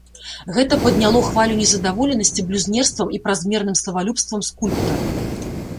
Гэта падняло хвалю незадаволенасці блюзнерствам і празмерным славалюбствам скульптара.